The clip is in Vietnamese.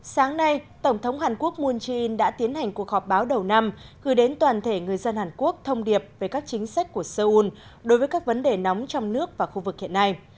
sáng nay tổng thống hàn quốc moon jae in đã tiến hành cuộc họp báo đầu năm gửi đến toàn thể người dân hàn quốc thông điệp về các chính sách của seoul đối với các vấn đề nóng trong nước và khu vực hiện nay